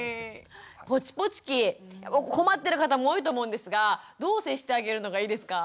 ぽちぽち期困ってる方も多いと思うんですがどう接してあげるのがいいですか？